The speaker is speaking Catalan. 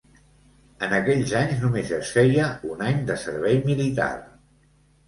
En aquells anys només es feia un any de servei militar.